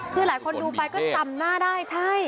คือหลายคนดูไปก็จำหน้าได้ใช่